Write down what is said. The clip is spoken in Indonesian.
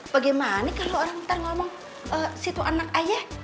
bagaimana kalau orang ntar ngomong si itu anak ayah